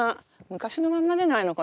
昔のまんまじゃないの？